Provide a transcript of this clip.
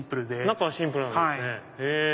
中はシンプルなんですね。